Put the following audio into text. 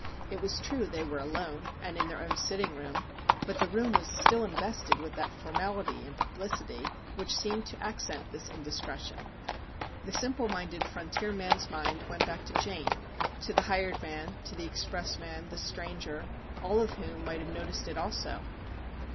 It was true they were alone, and in their own sitting room, but the room was still invested with that for mality and publicity which seemed to accent this indiscretion. The simple minded frontier man's mind went back to Jane, to the hired man, to the expressman, the stranger, all of whom might have noticed it also.